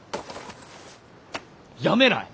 やめない！